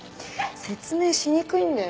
説明しにくいんだよ。